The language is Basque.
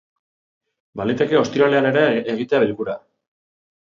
Baliteke ostiralean ere egitea bilkura.